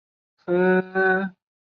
后致仕归家。